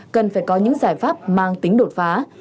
cần phải có những giải pháp mang tính đột phá